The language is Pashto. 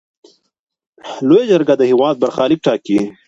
لویه جرګه د هیواد برخلیک ټاکي.